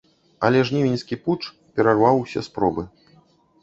Але жнівеньскі путч перарваў усе спробы.